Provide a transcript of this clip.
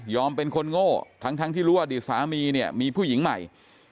เป็นคนโง่ทั้งที่รู้อดีตสามีเนี่ยมีผู้หญิงใหม่